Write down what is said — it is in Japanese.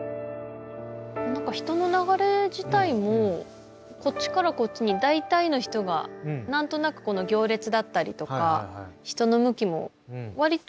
何か人の流れ自体もこっちからこっちに大体の人が何となくこの行列だったりとか人の向きも割と。